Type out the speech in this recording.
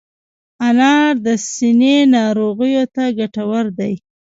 انار د سینې ناروغیو ته ګټور دی.